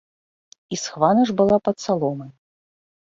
І схавана ж была пад саломаю.